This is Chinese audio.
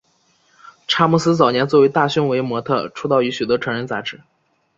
查姆斯早年作为大胸围模特出道于许多成人杂志。